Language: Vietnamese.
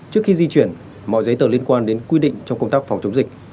trước khi di chuyển mọi giấy tờ liên quan đến quy định trong công tác phòng chống dịch